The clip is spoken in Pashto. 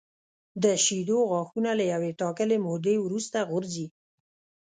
د شېدو غاښونه له یوې ټاکلې مودې وروسته غورځي.